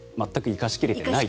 生かし切れていない。